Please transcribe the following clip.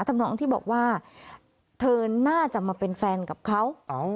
ทำนองที่บอกว่าเธอน่าจะมาเป็นแฟนกับเขา